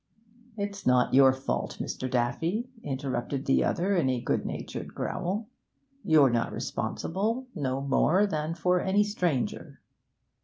'It's not your fault, Mr. Daffy,' interrupted the other in a good natured growl. 'You're not responsible, no more than for any stranger.'